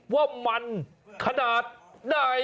ว่ามันขนาดไหน